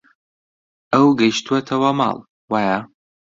ئەو گەیشتووەتەوە ماڵ، وایە؟